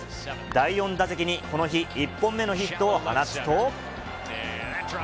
第４打席にこの日、１本目のヒットを放つと。